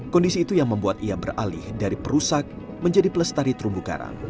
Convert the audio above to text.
kondisi itu yang membuat ia beralih dari perusak menjadi pelestari terumbu karang